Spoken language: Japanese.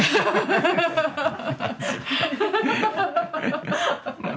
ハハハハハ！